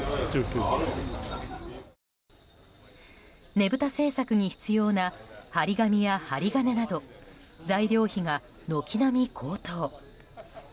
ねぶた制作に必要な貼り紙や針金など材料費が軒並み高騰。